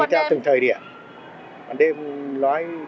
nó tùy theo từng thời điểm một đêm nói đưa cái giả thiết đi ra thì cũng khó